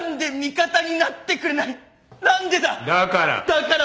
だから？